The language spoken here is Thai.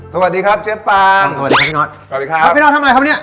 สวัสดีครับเชฟฟังสวัสดีครับพี่นอทสวัสดีครับพี่นอททำอะไรครับวันนี้